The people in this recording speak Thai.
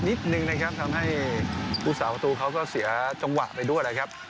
นิดนึงนะครับทำให้ผู้สาวประตูเขาก็เสียจังหวะไปด้วยนะครับ